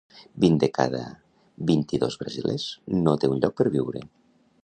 Vint de cada vint-i-dos brasilers no té un lloc per viure.